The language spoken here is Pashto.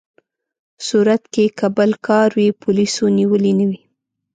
صورت کې که بل کار وي، پولیسو نیولي نه وي.